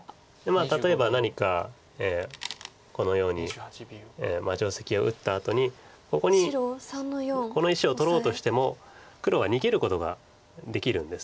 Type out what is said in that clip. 例えば何かこのように定石を打ったあとにここにこの石を取ろうとしても黒は逃げることができるんです。